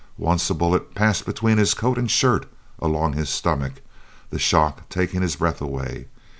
Once a bullet passed between his coat and shirt along his stomach, the shock taking his breath away.